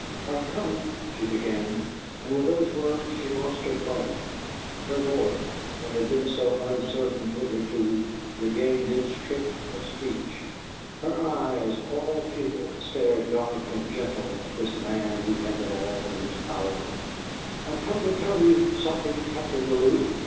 "I've come," she began, and with those words she lost her fright; her voice, that had been so uncertain hitherto, regained its trick of speech; her eyes, all pupil, stared dark and gentle at this man who had them all in his power "I've come to tell you something, Captain Bellew!"